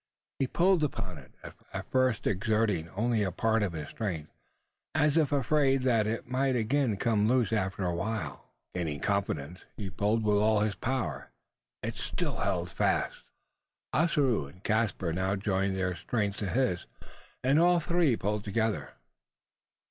He pulled upon it, at first exerting only a part of his strength, as if afraid that it might again come loose. After awhile, gaining confidence, he pulled with all his power. It still held fast! Ossaroo and Caspar now joined their strength to his; and all three pulled together.